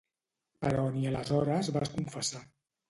Però ni aleshores vas confessar.